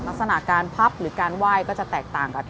หาการพับหรือการไหว้ก็จะแตกต่างกับ